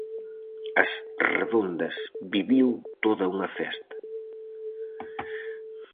As Redondas viviu toda unha festa.